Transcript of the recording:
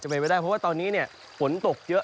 เพราะว่าตอนนี้ฝนตกเยอะ